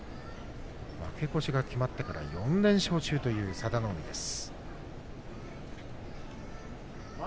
負け越しが決まってから４連勝中という佐田の海です。